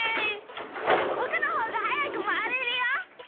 ぼくのほうがはやくまわれるよ！